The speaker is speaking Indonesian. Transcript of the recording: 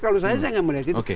kalau saya saya nggak melihat itu